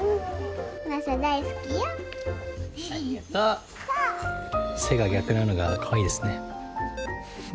「せ」が逆なのがかわいいですね。